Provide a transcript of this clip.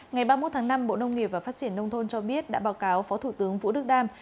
ngày ba mươi một tháng năm bộ nông nghiệp và phát triển nông thôn cho biết đã báo cáo phó thủ tướng vũ đức đam